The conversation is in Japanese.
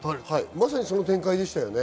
まさにその展開でしたね。